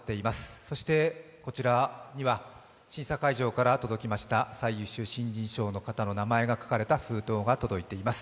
そして、こちらには審査会場から届きました最優秀新人賞の方の名前が書かれた封筒が届いています。